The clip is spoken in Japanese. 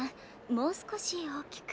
もう少し大きく。